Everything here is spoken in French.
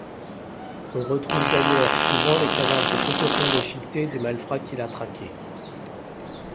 On retrouve d’ailleurs souvent les cadavres complètement déchiquetés des malfrats qu’il a traqué.